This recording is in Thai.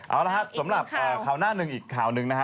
เอาละครับสำหรับข่าวหน้าหนึ่งอีกข่าวหนึ่งนะฮะ